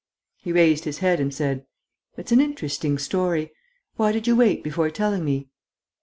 He raised his head and said, "It's an interesting story.... Why did you wait before telling me?"